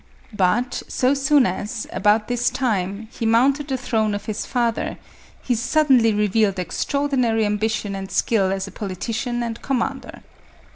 But, so soon as, about this time, he mounted the throne of his father, he suddenly revealed extraordinary ambition and skill as a politician and commander.